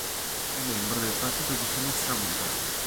È membro del partito di Sinistra Unita.